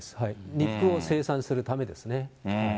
肉を生産するためですね。